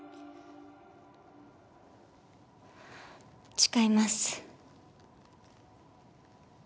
誓います。